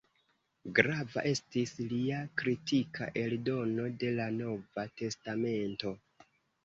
Grava estis lia kritika eldono de la "Nova Testamento".